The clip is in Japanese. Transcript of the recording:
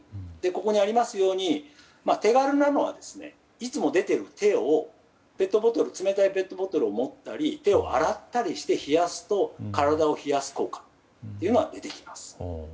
ここにありますように手軽なのはいつも出ている手で冷たいペットボトルを持ったり手を洗ったりして冷やすと体を冷やす効果が出てきます。